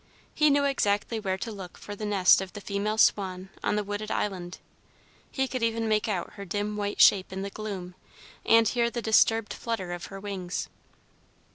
He knew exactly where to look for the nest of the female swan on the wooded island. He could even make out her dim white shape in the gloom, and hear the disturbed flutter of her wings.